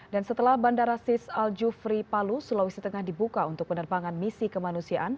dan setelah bandara sis al jufri palu sulawesi tengah dibuka untuk penerbangan misi kemanusiaan